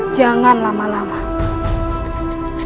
jangan salahkan aku